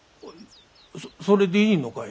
そそれでいいのかい？